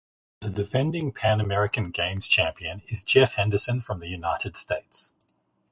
The defending Pan American Games champion is Jeff Henderson from the United States.